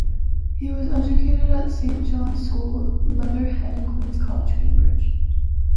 He was educated at Saint John's School, Leatherhead and Queens' College, Cambridge.